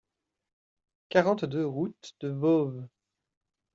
quarante-deux route de Voves